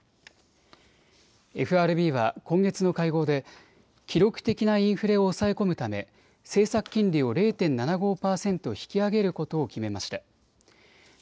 ＦＲＢは今月の会合で記録的なインフレを抑え込むため政策金利を０．７５％引き上げることを決めました。